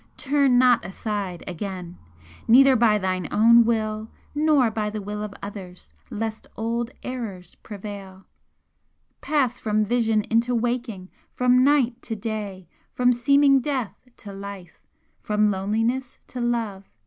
Turn not aside again, neither by thine own will nor by the will of others, lest old errors prevail. Pass from vision into waking! from night to day! from seeming death to life! from loneliness to love!